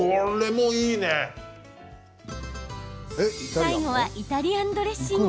最後はイタリアンドレッシング。